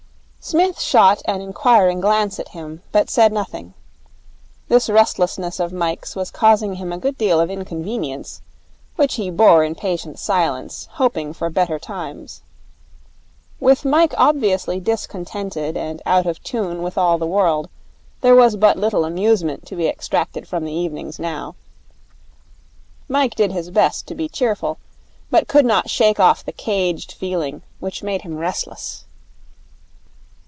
Psmith shot an inquiring glance at him, but said nothing. This restlessness of Mike's was causing him a good deal of inconvenience, which he bore in patient silence, hoping for better times. With Mike obviously discontented and out of tune with all the world, there was but little amusement to be extracted from the evenings now. Mike did his best to be cheerful, but he could not shake off the caged feeling which made him restless.